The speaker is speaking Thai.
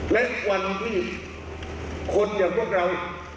และวันที่คนอย่างพวกเรา